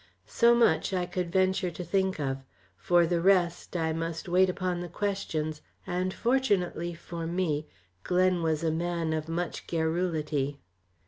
So much I could venture to think of. For the rest I must wait upon the questions; and, fortunately for me. Glen was a man of much garrulity.